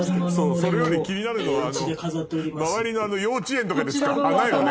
それより気になるのは周りの幼稚園とかで使う花よね。